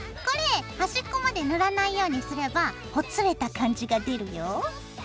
これ端っこまで塗らないようにすればほつれた感じが出るよ。